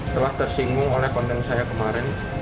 telah tersinggung oleh konten saya kemarin